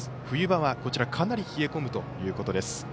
冬場は、かなり冷え込むということです。